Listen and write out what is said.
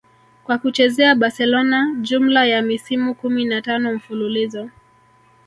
kwa kuchezea Barcelona jumla ya misimu kumi na tano mfululizo